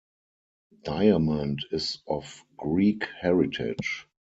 Diamond is of Greek heritage.